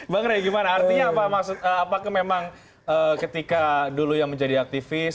bang ray gimana artinya apa maksud apakah memang ketika dulu yang menjadi aktivis